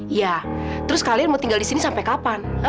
iya terus kalian mau tinggal disini sampai kapan